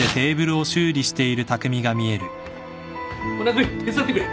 ・夏海手伝ってくれ。